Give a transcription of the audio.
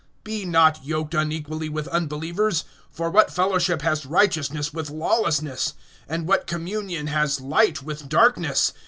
(14)Be not yoked unequally with unbelievers; for what fellowship has righteousness with lawlessness? And what communion has light with darkness?